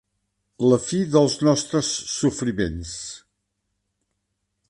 La fi dels nostres sofriments.